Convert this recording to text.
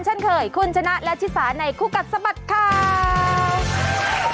เช่นเคยคุณชนะและชิสาในคู่กัดสะบัดข่าว